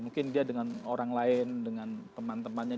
mungkin dia dengan orang lain dengan teman temannya